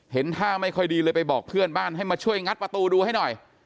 เห็นท่าไม่ค่อยดีเลยไปบอกเพื่อนบ้านให้มาช่วยงัดประตูดูให้หน่อย